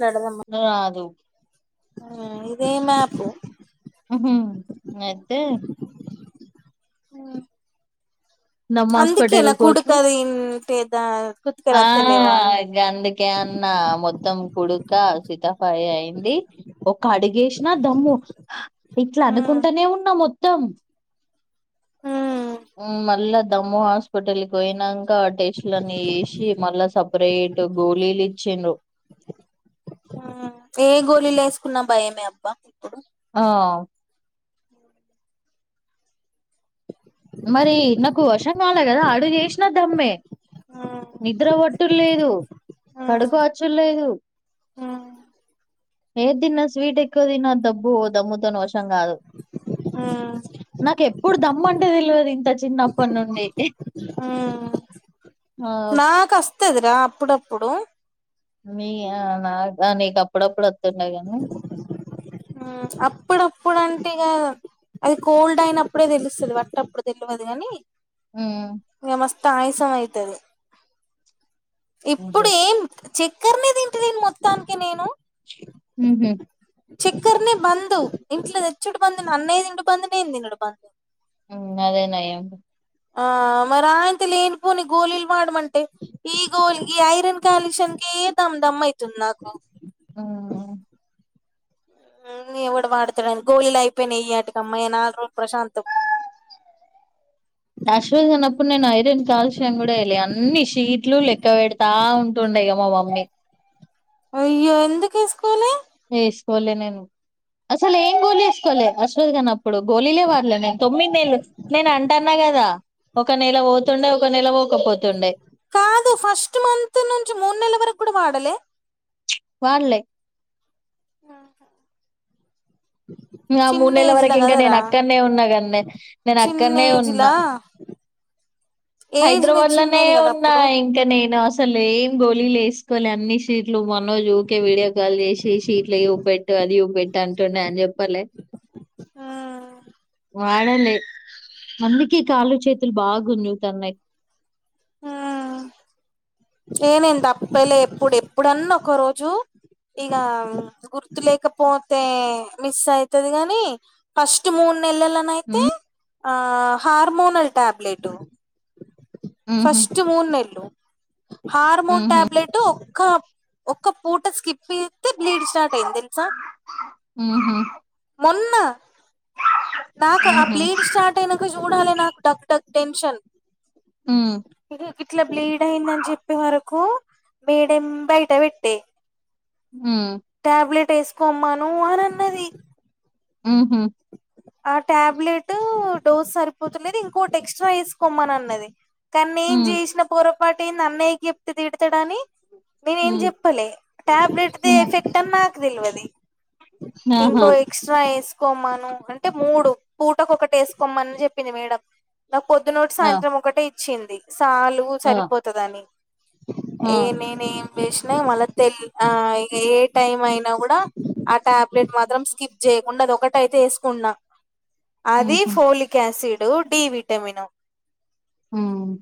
మాట్లాడదమ్మా రాదు ఇదే మ్యాపు మ్ హు అయితే మ్ నమ్ అందుకే హాస్పిటల్ నా కోచు కుడకదీ ఇన్టిదా ఆ గందుకే అన్నా మొత్తం కుడుక సితఫాయె అ అడి ఒక అడుగేసినా దమ్ము ఇట్లా ఉమ్ అనుకుంటానే ఉన్నాము త్తం ఉమ్ మ్ మళ్ళ దమ్ము హాస్పిటల్కి పోయినా కా టెస్ట్ లన్ని జేసి మళ్ళా సెపరేట్ గోళీలు ఇచ్చండ్రు ఏ గోళీలు ఎసుకున్నా భయమే అబ్బా ఇప్పుడు ఆ మరి నాకు వషం కాలే కదా అడుగు చేసిన దమ్మే ఉమ్ నిద్ర వట్టుడు లేదు పడుకో వచ్చుడు లేదు ఆ ఏది తిన్నా స్వీట్ ఎక్కవ తినవద్దు అబ్బో దమ్ము తోని వష్ తం కాదు ఉమ్ నాకు ఎప్పుడు దమ్ము అం అంటే తెలువదు ఇంత చిన్నప్పటి నుండి ఉమ్ ఆ వత్తాది రా అప్పుడుప్పుడు మీ అ నాకు ఆ నీకు అప్పుడప్పుడు వత్ ఉ అప్పుడు అప్పుడు అం టే ఇగ అది కోల్డ్ అయినప్పుడే తెలుస్తది వట్టి అప్పుడు తెలువదు కాని హ్మ్. ఇగ మస్తు ఆయసం అయితది హుహు. ఇప్పుడు ఏం చక్కర్నే తింటలేను మొత్తానికి నేను ఉహు చక్కర్నే బంద్ ఇంట్లో తెచ్చుడు బంద్ అన్నయ్య తినుడు బంద్ నేను తినుడు బంద్ ఉన్నదే నయం ఆ మరి అంత లేని పోని గోలీల్ వాడమంటే ఈ గోలి ఈ ఐరన్ కాలష్ నికి కే దమ్ దమ్ అయితుంది నాకు హ్మ్. ఉ ఎవ్వడు వాడుతాడు అని గోళీలు అయిపోయినాయి ఇయాటికి అమ్మయ్య నాలు రోలు తప్ అశ్విన్ కన్నప్పుడు నేను ఐరన్ కాలుష్యం కూడా ఏ లే అన్ని షీట్లు లెక్క పెడతా ఉంటుండే ఇగ మా మామ్ ఉన్నే అయ్యో ఎందుకు ఏసుకు కోలే నేను అసలు ఏం గోల్ వేసుకోలే అశ్వథ్ గానీ అప్ ప్పుడు గోళలే వాడలే నేను తొమ్మిది నెలలు నేను అంటన్నా కదా ఒక నెల పోతుండే ఒక నెల పోకపోతుండే కాదు ఫస్ట్ మంత్ నుంచి మూడు నెల్ల వరకు కూడా వాడలే వాడుళ్లే ఆహ ఇంగ ఆ చిన్న మూడు నెలల ఏజ్ లా వరకు ఇంకా కదా నేను రా అక్కడనే ఉన్నా కన్నే నేను చిన్న అక్కడనే ఏజ్ ఉన్నా లా ఏజ్ ని హైదరాబాద్ లనే చిన్నది కదా ఉన్నా అప్పుడు ఇంకా నేను అస్ అసలు ఏం గోళిలు వేసుకోలే అన్ని షీట్లు మనోజు ఊకే వీడియో కాల్ చేసి షీట్లు చూపెట్టు తదియు పెట్టు అంటున్న అని చెప్పాలే ఆ వాడలే అందుకే కాళ్ళ చేతులు బాగు గుంజుతన్నాయి ఉ ఏ నేను దప్పలే ఎప్పుడు ఎప్పుడన్న ఒక రోజు ఇక గుర్తు లేకపోతే మిస్ అయితది గాని ఫస్ట్ మూన్ నెలల్లా నైతే ఉమ్ ఆ హార్ మోనాల్ టాబ్లెట్ టు ఉహు ఫస్ట్ మూనెల్లు హార్మోన్ ఉహు టాబ్లెట్ ఒక్క ఒక్క పూట స్కిప్ ఫీ ఇతే బ్లీడ్ స్టార్ట్ అయ్యింది తెలుసా ఉహు మొన్న నాకు ఆ ఉహు బ్లీడ్ స్టార్ట్ అయినంకా చూడాలి నాకు డగ్ డగ్ టెన్షన్ ఉమ్ ఇగ గిట్లా బ్లీడ్ అయిందని చెప్పే వరకు మేడం బయట పెట్టే ఆ టేసుకోమ్మను అని అన్నది ఆహ ఆ టాబ్లెట్ డోస్ సరిపోతాలేదు ఇంకోకటి ఎక్స్ట్రా వేసుకోమ్మని అని అన్నది కానీ నేను ఉమ్ చేసిన పొరపాటు ఏంది అన్నయ్య కు చెప్పుతే తిడుతాడని నేను ఏం ఉమ్ చెప్పలే టాబ్లెట్ దే ఉమ్ ఎఫెక్ట్ అని నాకు తెలువది ఆహా ఇంకో ఎక్స్ట్రా వేసుకోమను అంటే అంటే మూడు పూటకు ఒకటి వేసుకోమ్మని చెప్పింది మేడంమ్ నాకు పొద్దున్నోటి ఆ సాయంత్రం ఒకటే వచ్చింది చాలు ఆ సరిపోతుందిని ఆ ఏ నేనే ఏం వేసినా మళ్ళా ల్ ఇ ఏ టైం అయినా కూడా అ టాబ్లెట్ మాత్రం స్కిప్ చేయకుండా అది ఒకటైతే వేసుకున్నా అది ఉహు ఫోలిక్ యాసిడ్ డి విటమన్ హ్మ్మ్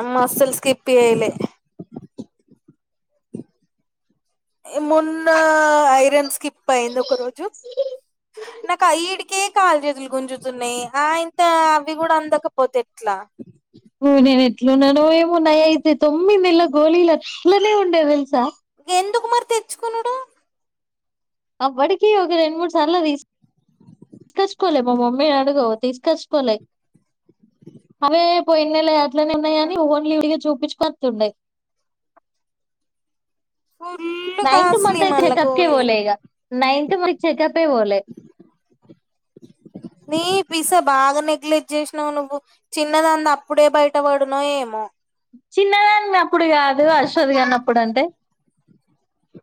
అమ్మా అసలు స్కకిప్యలే మొన్న ఐరన్ స్కిప్ అయింది ఒక రోజు నాకు ఇడికే కాలు చేతులు గుంజుతున్నాయి. ఆ ఇంత అవి కూడా అందకపోతే ఎట్లా ఊ నేను ఎట్లు ఉన్నానో ఏమో నాయి అయితే తొమ్మిది నెలల గోలీలు అట్లనే ఉండే తెల్సా ఎందుకు మరి తెచ్చుకునుడు అప్పటికీ ఒక రెండు, మూడు మూడు సార్లు తీసు తీసుకోలే. మా మమ్మీని అడుగు తీసుకోచ్చుకో లే. అవే పో ఎన్నెలే అట్లనే ఉన్నాయి అని ఓన్లీ వెళ్లి చూపించుకొని వత్తుండే. ఫుల్ నైన్త్ కాస్ట్లీ మంత్ మళ్ళా చెకప్ కే పోలే గోళీలు ఇగ. నైన్త్ మంత్ చెకప్ పోలే మీ పిసా బాగా నెగ్లెక్ట్ చేసినావు నువ్వు. చిన్నదాన్ని అప్పుడే బయటపడునో ఏమో చిన్నదాన్ని అప్పుడు కాదు. అశ్వథ్ గాన్నప్పుడు అంటే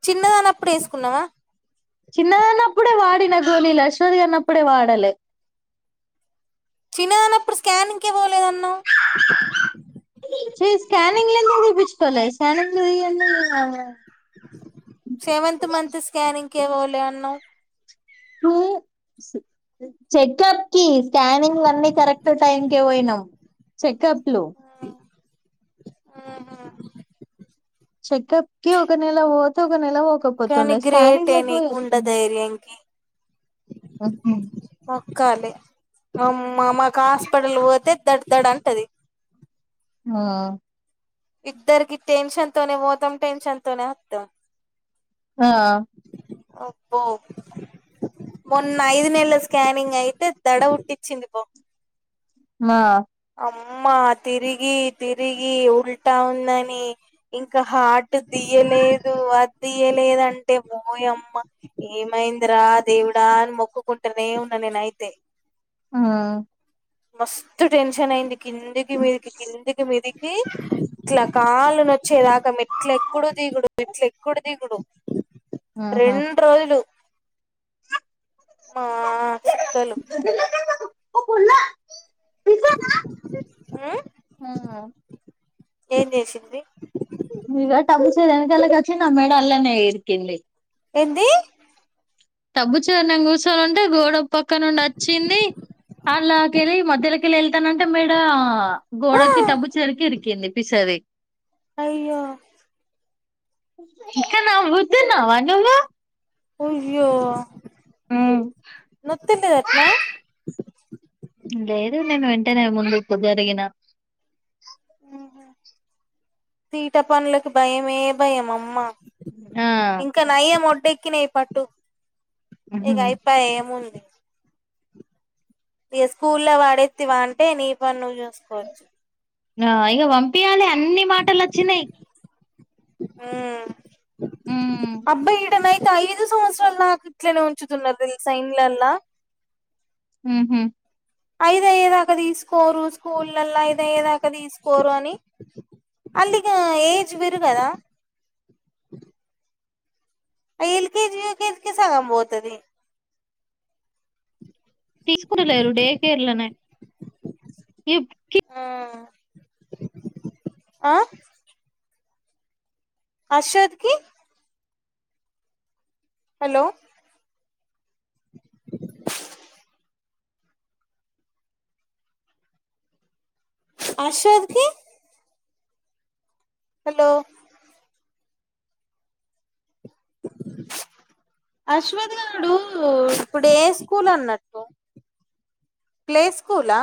చిన్నదాన్నప్పుడు వేసుకున్నావా. చిన్నదాని అప్పుడే వాడిన గోళీలు. అశ్వత్ గాని అప్పుడే వాడలే. చిన్నదాన్నప్పుడు స్కానింకే పోలేదన్నావు. చీ స్కానింగ్ లు ఎందుకు తీపించుకోలే. స్కానింగ్ లు తీ సెవెన్త్ మంత్ స్కానింగ్ కే పోలే అన్నావు. ప్పుడు చెకప్ కి స్కానింగ్ అన్నీ కరెక్ట్ టైం కె పోయినాం. చెకప్లు ఉమ్మ్ చెకప్కి ఒక నేల పోతే. ఒక నెల ఒక నెల కానీ పోకపోతుండే. గ్రేటే స్కానింగ్లకె పోయి నీకు గుండె వస్తుండే. ధైర్యంకి ఉ కాలి. అమ్మా మాకు హాస్పిటల్ పోతే దడ్ దడ అంటది ఆ ఇద్దరికి టెన్షన్ తోనే పోతం టెన్షన్ తోనే ఓత్తం ఆ అబ్బో మొన్న ఐదు నేళ్ళ స్కానింగ్ అయితే దడ పుట్టిచ్చింది పో మా అమ్మా తిరిగి తిరిగి ఉల్టా ఉందని ఇంకా హాట్ ది లేదు అదియలేదంటే ఓయమ్మ ఏమైందిరా దేవుడాని మొక్కుకుంటనే ఉన్న నేను అయితే ఆ మస్తు టెన్షన్ అయింది. కిందికి మీదికి కిందికి మీదికి క్ల కాలు నొచ్చేదాక మెట్లు ఎక్కుడు దిగుడు మెట్ల ఎక్కుడు దిగుడు ఆహా రెండు రోజులు మా చుక్కలు ఓపొల్లా ఆహ్ ఏం చేసింది. ఇగ టబు చేరి వెనకాల వచ్చి నా మేడ అల్లానే ఇరికింది. ఏంది టబ్బు చైర్ల నేను కూర్చోని వుంటే గోడ పక్కన నుండి వచ్చింది. అలా కెళ్ళి మధ్యలో కెళ్ళి ఎళ్తనంటే మెడా ఆ గోడకి టబ్బు చెరికి ఇరికింది పిసది. అయ్యో ఇంకా నవ్వుతున్నవా నువ్వు. అయ్యో నోతున్న యట్నా లేదు నేను వెంటనే ముందుకు జరిగినా. ఉహు తీట పనులకు భయమే భయం అమ్మా. ఆ డెక్కినయి పట్టు ఇగ అయిపాయే ఏముంది. ఇగా స్కూల్లో వాడేత్తివి అంటే నీ పని నువ్వు చూసుకోవచ్చు. ఆ ఇగా వంపియాలే అన్ని మాటలు అచ్చినయి. ఆ ఉమ్ అబ్బా ఈడనయితే ఐదు సంవత్సరాలు నాకు అట్లనే ఉంచుతున్నరు తెల్సా ఇల్లల్లా. హుహ్ ఐదు అయ్యేదాకా తీసుకోరు స్కూళ్ళల్లా ఐదు అయ్యేదాకా తీసుకోరు అని. ఆళ్ళు ఇగా ఏజ్ పెరుగదా. ఆ ఎల్కేజి, యూకేజికే సగం పోతది. తీసుకుంటలేరు డే కేర్లనే. ఆ ఆ అశ్వత్కి హలో అశ్వద్కి హలో అశ్వథ్ గాడు ఇప్పుడు ఏ స్కూల్ అన్నట్టు. ప్లేలే స్కూలా?